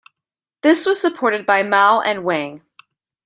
This was supported by Mao and Wang.